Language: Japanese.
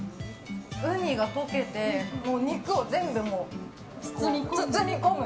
ウニが溶けて、肉を全部包み込む。